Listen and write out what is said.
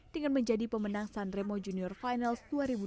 dengan menjadi pemenang sunremo junior finals dua ribu dua puluh